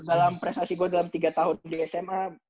dalam prestasi gue dalam tiga tahun di sma